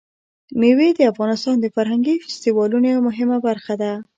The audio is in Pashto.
مېوې د افغانستان د فرهنګي فستیوالونو یوه مهمه برخه ده.